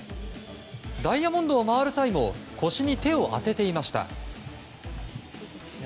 ダイヤモンドを回る際も腰に手を当てていました。